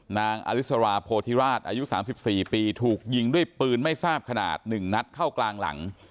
อลิสราโพธิราชอายุ๓๔ปีถูกยิงด้วยปืนไม่ทราบขนาด๑นัดเข้ากลางหลัง